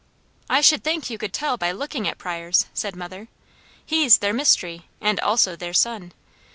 "I should think you could tell by looking at Pryors," said mother. "He's their mystery, and also their son.